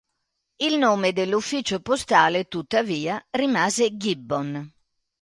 Il nome dell'ufficio postale, tuttavia, rimase Gibbon.